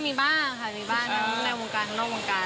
มีบ้างค่ะมีบ้างทั้งในวงการข้างนอกวงการ